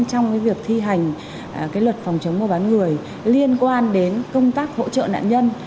trong việc thi hành luật phòng chống mua bán người liên quan đến công tác hỗ trợ nạn nhân